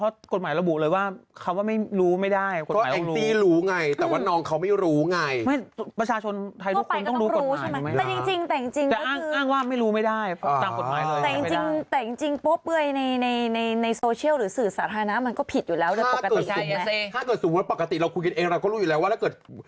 ถ้าเกิดสูงปกติเราคุยกันเองต้องมีอะไร